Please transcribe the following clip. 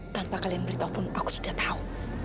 tanpa kalian beritahu aku sudah tahu